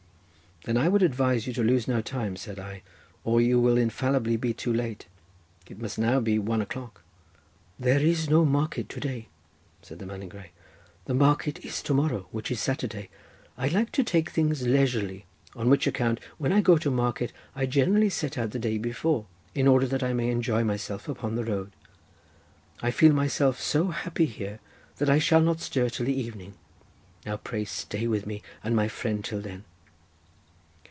"Then I would advise you to lose no time," said I, "or you will infallibly be too late; it must now be one o'clock." "There is no market to day," said the man in grey, "the market is to morrow, which is Saturday. I like to take things leisurely, on which account, when I go to market, I generally set out the day before, in order that I may enjoy myself upon the road. I feel myself so happy here that I shall not stir till the evening. Now pray stay with me and my friend till then."